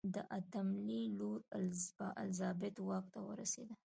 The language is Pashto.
د اتم لي لور الیزابت واک ته ورسېده.